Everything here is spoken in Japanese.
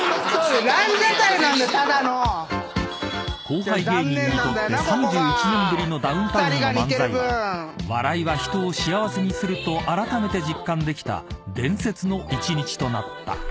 ［後輩芸人にとって３１年ぶりのダウンタウンの漫才は笑いは人を幸せにするとあらためて実感できた伝説の一日となった］